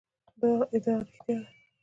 دا ادعا رښتیا ده.